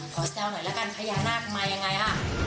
แซวหน่อยละกันพญานาคมายังไงอ่ะ